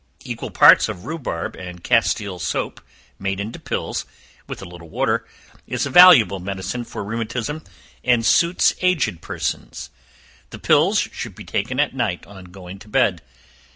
Equal parts of rhubarb and castile soap, made into pills, with a little water, is a valuable medicine for rheumatism, and suits aged persons; the pills should be taken at night on going to bed.